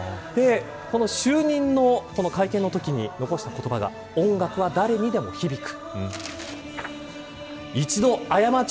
就任の会見のときに残した言葉が音楽は誰にでも響く。